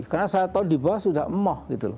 karena saya tahu di bawah sudah emoh gitu